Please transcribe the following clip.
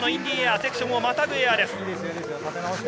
セクションをまたぐエアです。